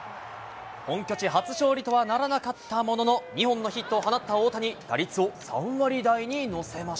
本拠地初勝利とはならなかったものの、２本のヒットを放った大谷。